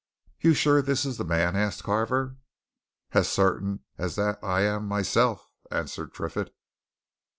"You're sure this is the man?" asked Carver. "As certain as that I'm myself!" answered Triffitt.